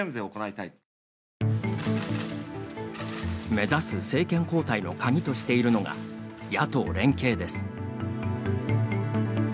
目指す政権交代の鍵としているのが野党連携です。